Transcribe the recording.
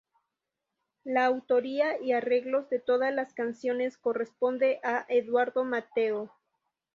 La autoría y arreglos de todas las canciones corresponde a Eduardo Mateo.